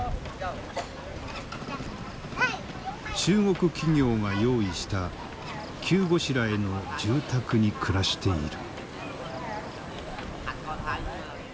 中国企業が用意した急ごしらえの住宅に暮らしている。